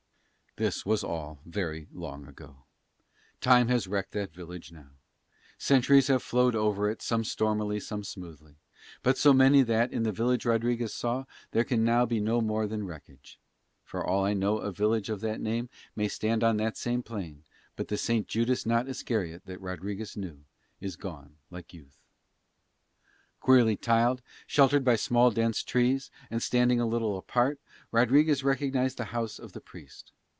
This was all very long ago. Time has wrecked that village now. Centuries have flowed over it, some stormily, some smoothly, but so many that, of the village Rodriguez saw, there can be now no more than wreckage. For all I know a village of that name may stand on that same plain, but the Saint Judas not Iscariot that Rodriguez knew is gone like youth. Queerly tiled, sheltered by small dense trees, and standing a little apart, Rodriguez recognised the house of the Priest.